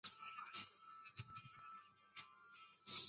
也是诺瓦拉教区荣休主教。